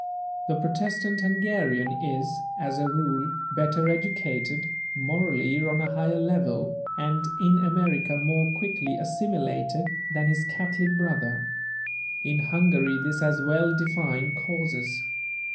The Protestant Hungarian is, as a rule, better educated, morally on a higher level, and in America more quickly assimilated, than his Catholic brother. In Hungary this has well defined causes.